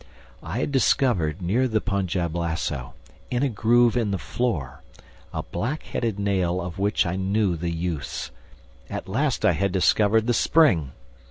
I had discovered, near the Punjab lasso, in a groove in the floor, a black headed nail of which I knew the use. At last I had discovered the spring!